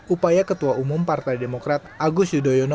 upaya ketua umum partai demokrat agus yudhoyono